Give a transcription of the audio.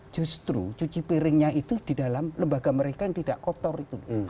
justru cuci piringnya itu di dalam lembaga mereka yang tidak kotor itu